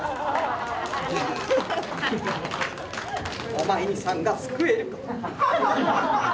お前にサンが救えるか。